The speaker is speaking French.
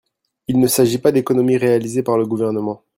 Il ne s’agit pas d’économies réalisées par le Gouvernement.